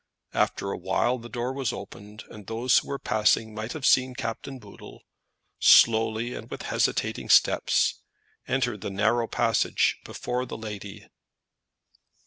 After a while the door was opened, and those who were passing might have seen Captain Boodle, slowly and with hesitating steps, enter the narrow passage before the lady.